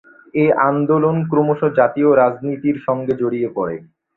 এ আন্দোলন ক্রমশ জাতীয় রাজনীতির সঙ্গে জড়িয়ে পড়ে।